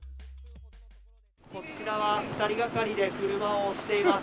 こちらは２人がかりで車を押しています。